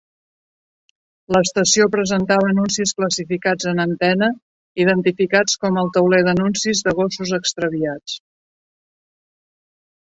L'estació presentava anuncis classificats en antena identificats com el tauler d'anuncis de gossos extraviats.